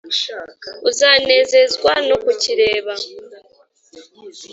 uzanezezwa no kukireba